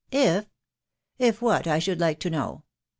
if what, I should like to know